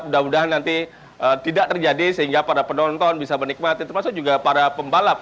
mudah mudahan nanti tidak terjadi sehingga para penonton bisa menikmati termasuk juga para pembalap